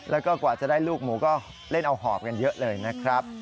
แล้วก็กว่าจะได้ลูกหมูก็เล่นเอาหอบกันเยอะเลยนะครับ